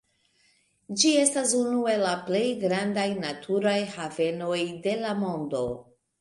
Ĝi estas unu el la plej grandaj naturaj havenoj de la mondo.